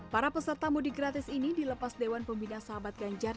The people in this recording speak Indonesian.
para peserta mudik gratis ini dilepas dewan pembina sahabat ganjar